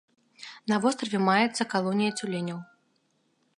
На востраве маецца калонія цюленяў.